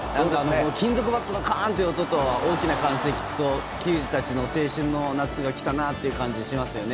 金属バットのカーンという音と大きな歓声を聞くと球児たちの青春の夏がカキンという感じがね。